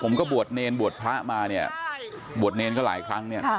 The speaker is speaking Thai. ผมก็บวชเนนบวชพระมาบวชเนนก็หลายครั้ง